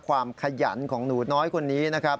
ขยันของหนูน้อยคนนี้นะครับ